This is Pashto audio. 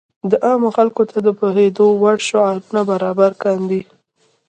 عامو خلکو ته د پوهېدو وړ شعارونه برابر کاندي.